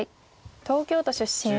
東京都出身。